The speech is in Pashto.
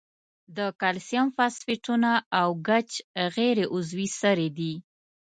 د کلسیم فاسفیټونه او ګچ غیر عضوي سرې دي.